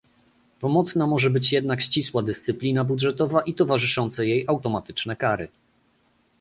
Pomocna może być jednak ścisła dyscyplina budżetowa i towarzyszące jej automatyczne kary